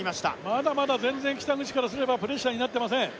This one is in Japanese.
まだまだ全然北口からすればプレッシャーになってません